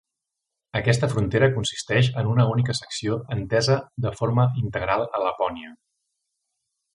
Aquesta frontera consisteix en una única secció entesa de forma integral a Lapònia.